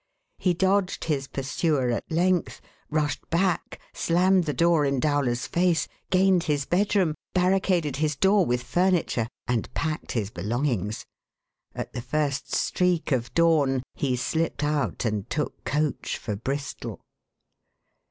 He dodged his pursuer at length, rushed back, slammed the door in Dowler's face, gained his bedroom, barricaded his door with furniture and packed his belongings. At the first streak of dawn, he slipped out and took coach for Bristol.